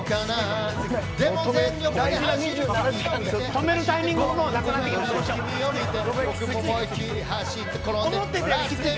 止めるタイミングもなくなってきた。